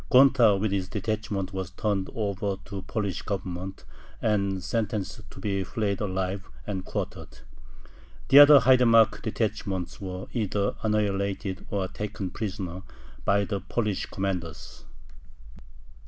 Gonta with his detachment was turned over to the Polish Government, and sentenced to be flayed alive and quartered. The other haidamack detachments were either annihilated or taken prisoner by the Polish commanders.